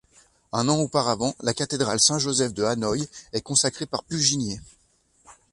Un an auparavant la cathédrale Saint-Joseph de Hanoï est consacrée par Puginier.